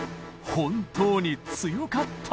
本当に強かった！